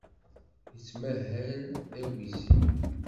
Yettmahal d awizi.